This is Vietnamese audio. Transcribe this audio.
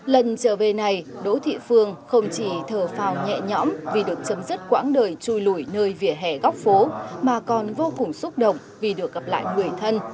lần trở về này đỗ thị phương không chỉ thở phào nhẹ nhõm vì được chấm dứt quãng đời chui lùi nơi vỉa hè góc phố mà còn vô cùng xúc động vì được gặp lại người thân